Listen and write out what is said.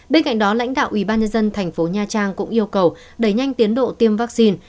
bên cạnh đó lãnh đạo ubnd thành phố nha trang cũng yêu cầu đẩy nhanh tiến độ tiêm vaccine